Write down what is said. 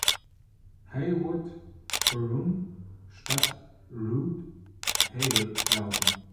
Heywood Broun" statt "Ruth Hale" lauten.